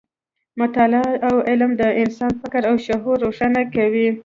مطالعه او علم د انسان فکر او شعور روښانه کوي.